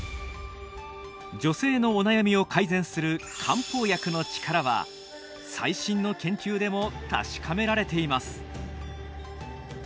女性のお悩みを改善する漢方薬のチカラは最新の研究でも確かめられています。